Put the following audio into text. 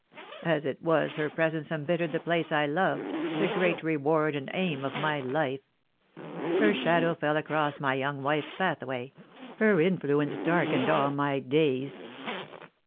As it was, her presence embittered the place I loved — the great reward and aim of my life. Her shadow fell across I g2 THE DAY WILL COME. my young wife's pathway — her influence darkened all my days."